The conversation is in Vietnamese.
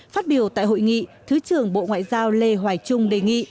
phát biểu tại hội nghị thứ trưởng bộ ngoại giao lê hoài trung đề nghị